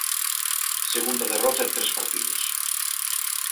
Segunda derrota en tres partidos.